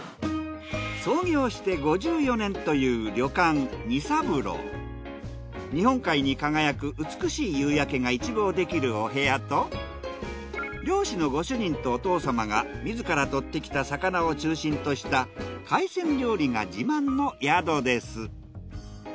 創業して５４年という日本海に輝く美しい夕焼けが一望できるお部屋と漁師のご主人とお父様が自ら獲ってきた魚を中心とした海鮮料理が自慢の宿です。